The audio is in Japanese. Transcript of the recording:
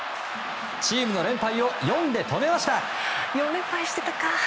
チームの連敗を４で止めました。